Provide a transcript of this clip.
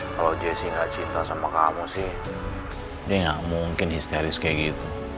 kalau jessi nggak cinta sama kamu sih dia nggak mungkin histeris kayak gitu